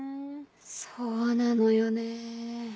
そうなのよね。